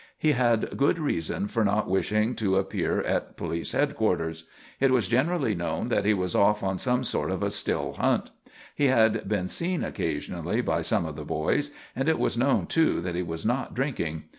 He had good reason for not wishing to appear at police headquarters. It was generally known that he was off on some sort of a still hunt. He had been seen occasionally by some of the boys, and it was known, too, that he was not drinking.